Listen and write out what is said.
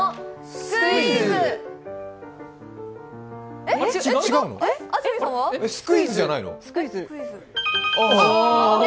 スクイズじゃないの？